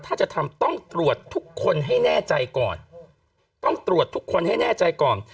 ถ้าจะทำต้องตรวจทุกคนให้แน่ใจก่อนต้องตรวจทุกคนให้แน่ใจก่อน